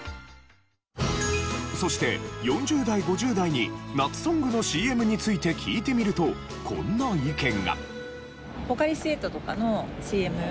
そして４０代５０代に夏ソングのＣＭについて聞いてみるとこんな意見が。